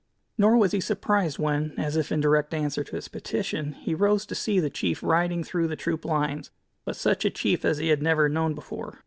Nor was he surprised when, as if in direct answer to his petition, he rose to see the chief riding through the troop lines, but such a chief as he had never known before.